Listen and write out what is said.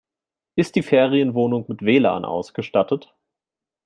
Ist die Ferienwohnung mit WLAN ausgestattet?